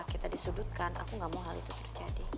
kita disudutkan aku gak mau hal itu terjadi